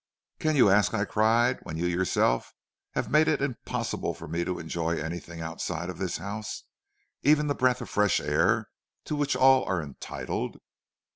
"'Can you ask,' I cried, 'when you yourself have made it impossible for me to enjoy anything outside of this house, even the breath of fresh air to which all are entitled?'